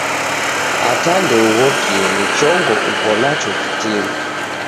Ata ndeughokie ni chongo uko nacho kitini